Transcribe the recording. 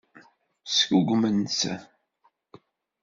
Sgugment-t.